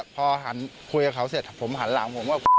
พอหันคุยกับเขาเสร็จผมหันหลังผมว่า